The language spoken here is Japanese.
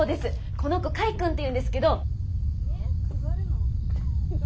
この子櫂くんっていうんですけど。